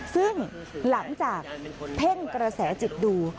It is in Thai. ซึ่งหลังจากเพ่งกระแสจิตดู